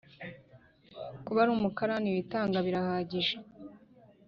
kuba ari umukarani witanga birahagije.